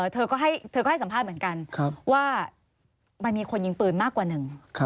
เธอก็ให้สัมภาษณ์เหมือนกันว่ามันมีคนยิงปืนมากกว่าหนึ่ง